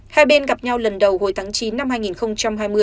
hai bên gặp nhau lần đầu hồi tháng chín năm hai nghìn hai mươi